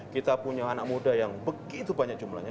kita punya anak muda yang begitu banyak jumlahnya